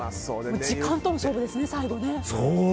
時間との勝負ですね、最後。